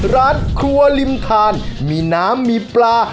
ร้านครัวริมทานมีน้ำมีปลา